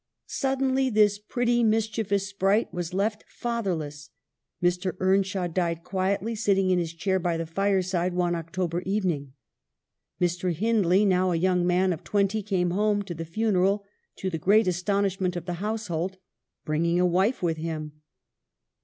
Suddenly this pretty, mischievous sprite was left fatherless ; Mr. Earnshaw died quietly, sit ting in his chair by the fireside one October evening. Mr. Hindley, now a young man of twenty, came home to the funeral, to the great astonishment of the household bringing a wife with him.